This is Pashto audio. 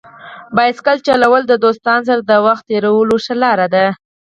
بایسکل چلول د دوستانو سره د وخت تېرولو ښه لار ده.